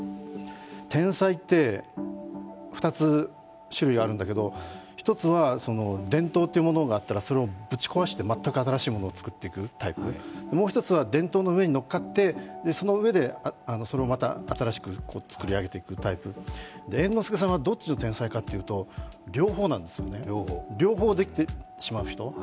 天才って２つ種類があるんだけど１つは伝統というものがあったらぶち壊して全く新しいものを作っていくタイプ、もう一つは伝統の上に乗っかってその上で、それをまた新しく作り上げていくタイプ、猿之助さんはどっちの天才かというと、両方なんですよね両方できてしまう人。